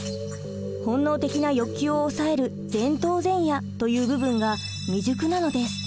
本能的な欲求を抑える「前頭前野」という部分が未熟なのです。